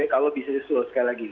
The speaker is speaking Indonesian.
kalau bisnis as usual sekali lagi